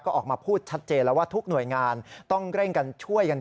ก็ออกมาพูดชัดเจนแล้วว่าทุกหน่วยงานต้องเร่งกันช่วยกัน